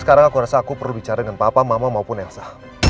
sekarang aku rasa aku perlu bicara dengan papa mama maupun elsa